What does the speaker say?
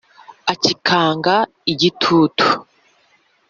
acyikanga igitutu